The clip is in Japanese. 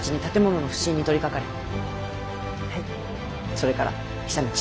それから久通。